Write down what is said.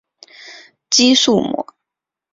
肌束膜。